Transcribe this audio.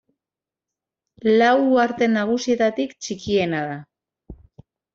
Lau uharte nagusietatik txikiena da.